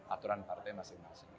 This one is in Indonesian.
aturan partai masing masing